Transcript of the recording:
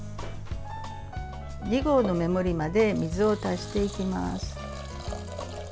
２合の目盛りまで水を足していきます。